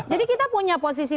jadi kita punya posisi